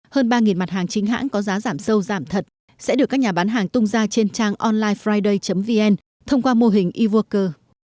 hơn ba mặt hàng chính hãng có giá giảm sâu giảm thật sẽ được các nhà bán hàng tung ra trên trang onlinefriday vn thông qua mô hình e worker